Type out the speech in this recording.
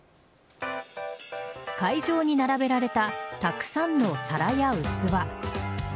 会場に並べられたたくさんの皿や器。